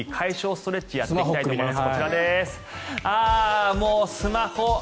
ストレッチをやっていきたいと思います。